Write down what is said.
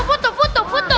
eh eh ah satu